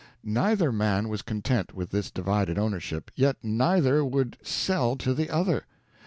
Neither man was content with this divided ownership, yet neither would sell to the other.